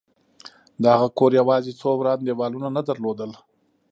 د هغه کور یوازې څو وران دېوالونه درلودل